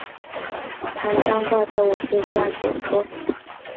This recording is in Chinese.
弹箱挂在武器站左侧。